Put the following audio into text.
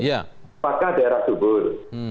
apakah daerah subur